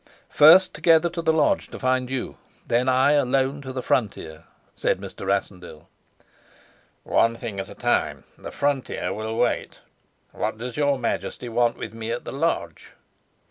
"First together to the lodge, to find you, then I alone to the frontier," said Mr. Rassendyll. "One thing at a time. The frontier will wait. What does your Majesty want with me at the lodge?"